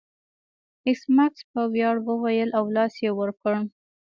ایس میکس په ویاړ وویل او لاس یې ور کړ